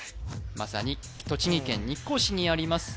まさに栃木県日光市にあります